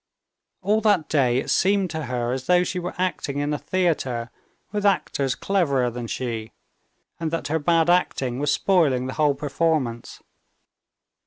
All that day it seemed to her as though she were acting in a theater with actors cleverer than she, and that her bad acting was spoiling the whole performance.